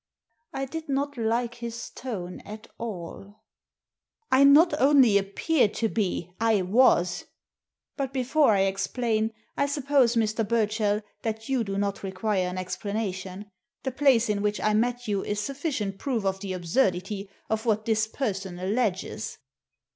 I did not like his tone at all. "I not only appeared to be, I was. But before I explain, I suppose, Mr. Burchell, that you do not Digitized by VjOOQIC 72 THE SEEN AND THE UNSEEN require an explanation. The place in which I met you is sufficient proof of the absurdity of what this person alleges."